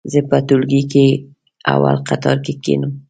زه په ټولګي کې اول قطور کې کېنم.